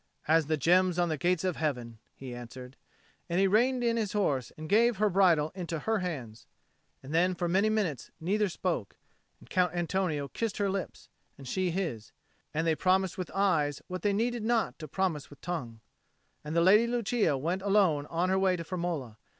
"As the gems on the Gates of Heaven," he answered; and he reined in his horse and gave her bridle into her hands. And then for many minutes neither spoke; and Count Antonio kissed her lips, and she his; and they promised with the eyes what they needed not to promise with the tongue. And the Lady Lucia went alone on her way to Firmola.